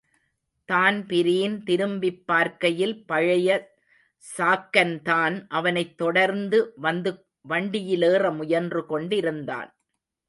Dan Breen திரும்பிப்பார்க்கையில் பழைய சாக்கன்தான் அவனைத் தொடர்ந்து வந்து வண்டியிலேற முயன்று கொண்டிருந்தான்.